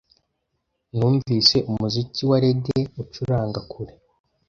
Numvise umuziki wa reggae ucuranga kure